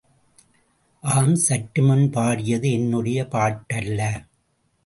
ஆம், சற்றுமுன் பாடியது என்னுடைய பாட்டல்ல.